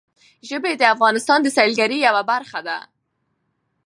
ژبې د افغانستان د سیلګرۍ یوه برخه ده.